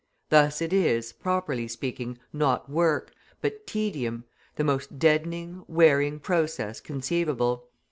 Thus it is, properly speaking, not work, but tedium, the most deadening, wearing process conceivable.